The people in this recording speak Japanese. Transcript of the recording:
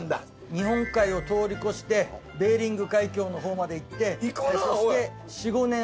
日本海を通り越してベーリング海峡の方まで行ってそして。